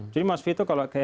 jadi mas vito kalau ke